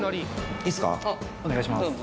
お願いします